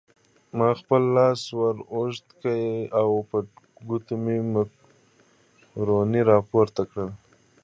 ما خپل لاس ور اوږد کړ او په ګوتو مې مکروني راپورته کړل.